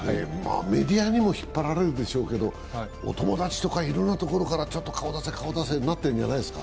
メディアにも引っ張られるでしょうけれどもお友達とか、いろんな所からちょっと顔出せとなってるんじゃないですか？